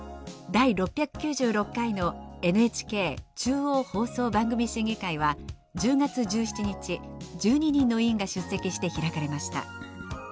第６９６回のＮＨＫ中央放送番組審議会は１０月１７日１２人の委員が出席して開かれました。